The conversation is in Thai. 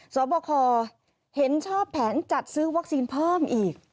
สอบคอเห็นชอบแผนจัดซื้อวัคซีนเพิ่มอีก